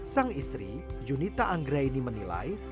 sang istri junita anggra ini menilai